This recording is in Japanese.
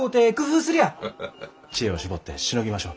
知恵を絞ってしのぎましょう。